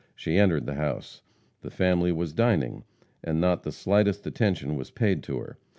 She entered the house. The family was dining, and not the slightest attention was paid to her.